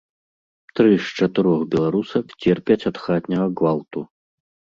Тры з чатырох беларусак церпяць ад хатняга гвалту.